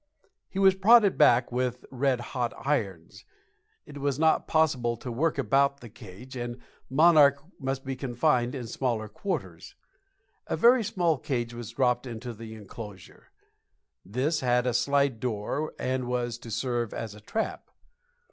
He was prodded back with red hot irons. It was not possible to work about the cage, and "Monarch" must be confined in smaller quarters. A very small cage was dropped into the enclosure; this had a slide door and was to serve as a trap.